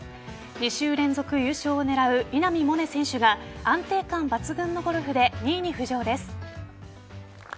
２週連続優勝を狙う稲見萌寧選手が安定感抜群のゴルフで２位に浮上です。